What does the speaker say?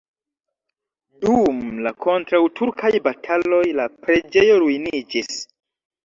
Dum la kontraŭturkaj bataloj la preĝejo ruiniĝis.